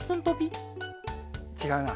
ちがうな。